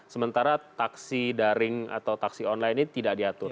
sementara taksi daring atau taksi online ini tidak diatur